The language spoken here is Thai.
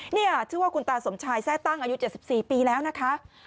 นี่ชื่อว่าคุณตาสมชายแทร่ตั้งอายุ๗๔ปีแล้วนะคะ